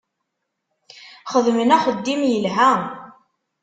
Xedmen axeddim yelha.